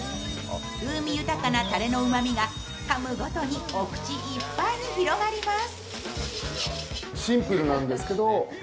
風味豊かなたれのうまみがかむごとにお口いっぱいに広がります。